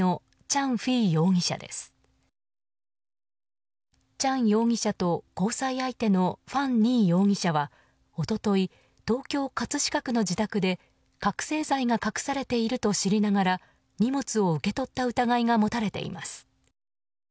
チャン容疑者と交際相手のファン・ニー容疑者は一昨日、東京・葛飾区の自宅で覚醒剤が隠されていると知りながら荷物を受け取った疑いが持たれています。